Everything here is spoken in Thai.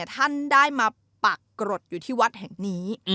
ท่านได้มาปักกรดอยู่ที่วัดแห่งนี้